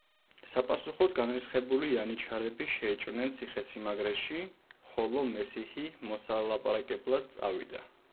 საპასუხოდ, განრისხებული იანიჩრები შეიჭრნენ ციხესიმაგრეში, ხოლო მესიჰი მოსალაპარაკებლად წავიდა.